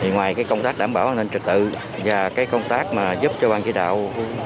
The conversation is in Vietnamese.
ngoài công tác đảm bảo nên trật tự và công tác giúp cho bang chỉ đạo